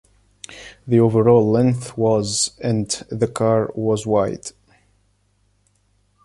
The overall length was and the car was wide.